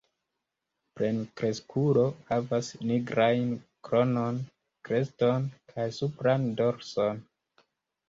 Plenkreskulo havas nigrajn kronon, kreston kaj supran dorson.